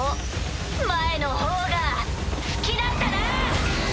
前の方が好きだったな！